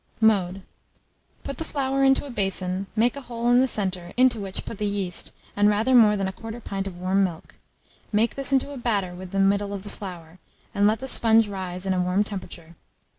Mode. Put the flour into a basin, make a hole in the centre, into which put the yeast, and rather more than 1/4 pint of warm milk; make this into a batter with the middle of the flour, and let the sponge rise in a warm temperature.